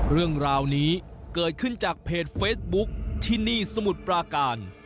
เรื่องราวนี้เกิดขึ้นจากเพจเฟซบุ๊คที่นี่สมุทรปราการ